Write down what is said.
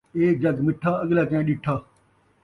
اے جڳ مٹھا، اڳلا کئیں ݙٹھا